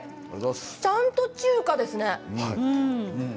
ちゃんと中華ですね。